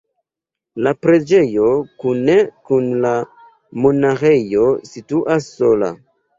La preĝejo kune kun la monaĥejo situas sola.